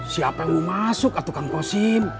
siapa yang mau masuk atuk kang kosim